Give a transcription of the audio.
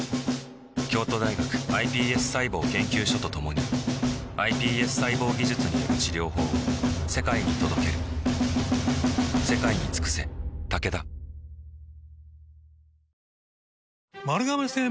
京都大学ｉＰＳ細胞研究所と共にｉＰＳ細胞技術による治療法を世界に届けるわぁすげえ！